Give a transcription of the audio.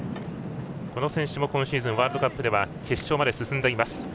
この選手も今シーズンワールドカップでは決勝まで進んでいます。